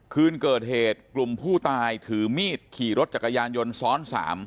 คืนเกิดเหตุกลุ่มผู้ตายถือมีดขี่รถจักรยานยนต์ซ้อน๓